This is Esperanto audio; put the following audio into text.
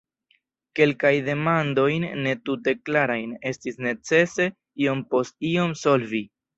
Kelkajn demandojn, ne tute klarajn, estis necese iom post iom solvi.